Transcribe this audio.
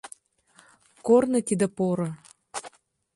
Корно тиде поро